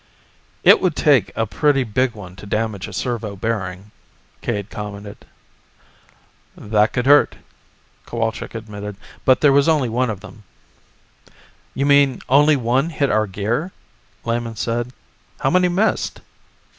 "It would take a pretty big one to damage a servo bearing," Cade commented. "That could hurt," Cowalczk admitted, "but there was only one of them." "You mean only one hit our gear," Lehman said. "How many missed?"